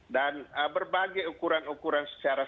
dan berbagai ukuran ukuran secara